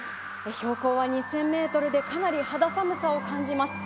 標高は２０００ｍでかなり肌寒さを感じます。